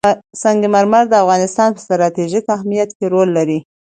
سنگ مرمر د افغانستان په ستراتیژیک اهمیت کې رول لري.